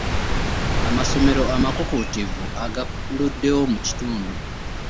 Amasomero amakuukuutivu agaluddewo mu kitundu.